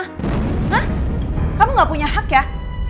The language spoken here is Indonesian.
hah kamu gak punya hak ya